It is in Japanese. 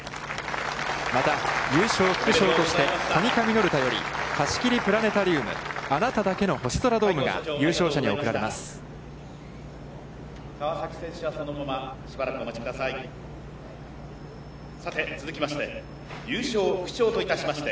また優勝副賞としてコニカミノルタより貸し切りプラネタリウム「あなただけの星空ドーム」が優勝者に贈られます。